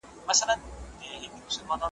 هیلې د ناروغانو لپاره زیاتې دي.